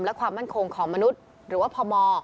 และความมั่นคงของมนุษย์หรือว่าพม